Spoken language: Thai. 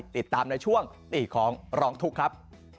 ติดตามในช่วงตีของร้องทุกข์ครับ